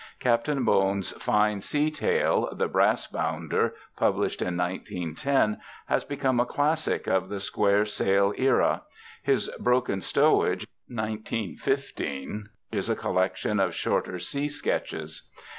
Captain Bone's fine sea tale, The Brass bounder, published in 1910, has become a classic of the square sail era; his Broken Stowage (1915) is a collection of shorter sea sketches.